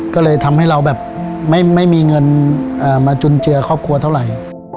ก็เลยทำให้เราแบบไม่มีเงินมาจุนเจือครอบครัวเท่าไหร่